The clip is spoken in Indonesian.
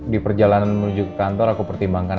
di perjalanan menuju kantor aku pertimbangkan